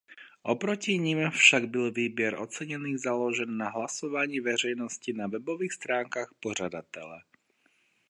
Oproti nim však byl výběr oceněných založen na hlasování veřejnosti na webových stránkách pořadatele.